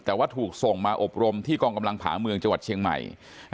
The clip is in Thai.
แต่ว่าถูกส่งมาอบรมที่กองกำลังผาเมืองจังหวัดเชียงใหม่